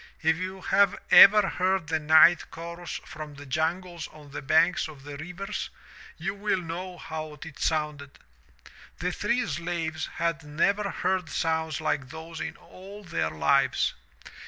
If you have ever heard the night chorus from the jungles on the banks of the rivers you will know how it sounded. The three slaves had never heard sounds like those in all their lives.